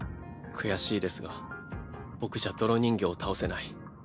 悔しいですが僕じゃ泥人形を倒せない。